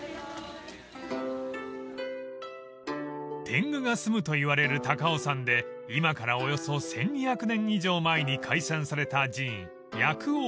［天狗がすむといわれる高尾山で今からおよそ１２００年以上前に開山された寺院薬王院］